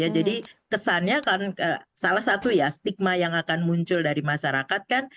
jadi kesannya kan salah satu ya stigma yang akan muncul dari masyarakat kan